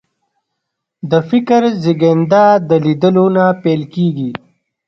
د فکر زېږنده د لیدلو نه پیل کېږي